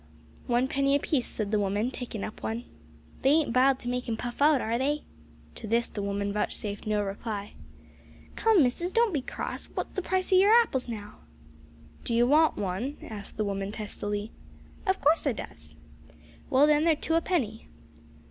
"One penny apiece," said the woman, taking up one. "They ain't biled to make 'em puff out, are they?" To this the woman vouchsafed no reply. "Come, missus, don't be cross; wot's the price o' yer apples now?" "D'you want one?" asked the woman testily. "Of course I does." "Well, then, they're two a penny."